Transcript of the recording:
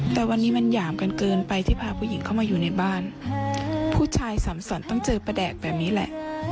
แต่วันนี้มันหยามกันเกินไปที่พาผู้หญิงเข้ามาอยู่ในบ้านผู้ชายสำสรรต้องเจอประแดกแบบนี้แหละ